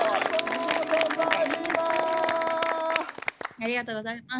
ありがとうございます。